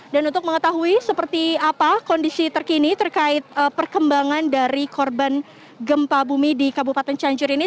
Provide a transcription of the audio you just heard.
dan untuk mengetahui seperti apa kondisi terkini terkait perkembangan dari korban gempa bumi di kabupaten cianjur ini